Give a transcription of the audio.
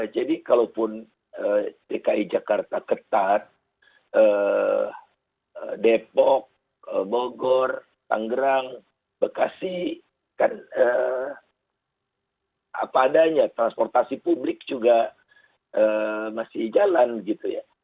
jadi kalaupun dki jakarta ketat depok bogor tanggerang bekasi apa adanya transportasi publik juga masih jalan gitu ya